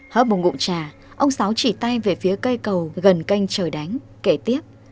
hớp một ngụm trà ông sáu chỉ tay về phía cây cầu gần canh trời đánh kể tiếp